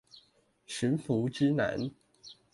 馴服之難